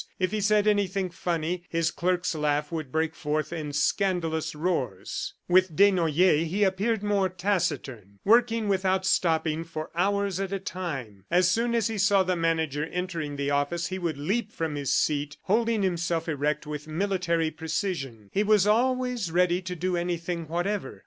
If he said anything funny, his clerk's laugh would break forth in scandalous roars. With Desnoyers he appeared more taciturn, working without stopping for hours at a time. As soon as he saw the manager entering the office he would leap from his seat, holding himself erect with military precision. He was always ready to do anything whatever.